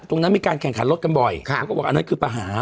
มีการแข่งขันรถกันบ่อยเขาก็บอกอันนั้นคือปัญหา